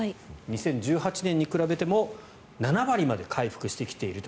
２０１８年に比べても７割まで回復してきていると。